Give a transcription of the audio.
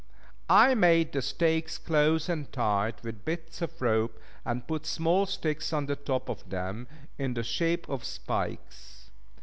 I made the stakes close and tight with bits of rope; and put small sticks on the top of them in the shape of spikes.